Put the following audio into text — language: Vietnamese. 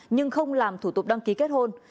nhưng không làm thủ tục đăng ký kết hôn